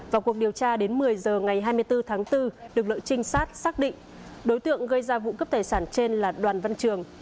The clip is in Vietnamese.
vào cuộc điều tra đến một mươi giờ ngày hai mươi bốn tháng bốn lực lượng trinh sát xác định đối tượng gây ra vụ cướp tài sản trên là đoàn văn trường